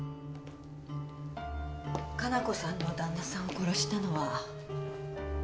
加奈子さんの旦那さんを殺したのは。